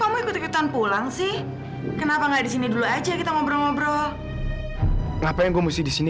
kamu ikut ikutan pulang sih kenapa nggak di sini dulu aja kita ngobrol ngobrol ngapain gue mesti di sini